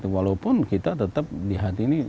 walaupun kita tetap di hati ini